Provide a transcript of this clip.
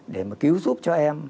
để mà cứu giúp cho em